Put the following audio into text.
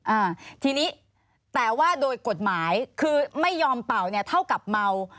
อ่าทีนี้แต่ว่าโดยกฎหมายคือไม่ยอมเป่าเนี่ยเท่ากับเมา